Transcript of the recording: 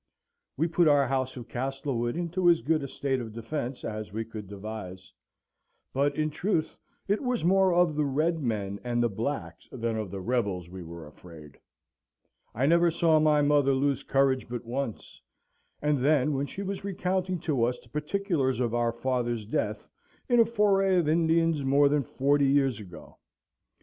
We put our house of Castlewood into as good a state of defence as we could devise; but, in truth, it was more of the red men and the blacks than of the rebels we were afraid. I never saw my mother lose courage but once, and then when she was recounting to us the particulars of our father's death in a foray of Indians more than forty years ago.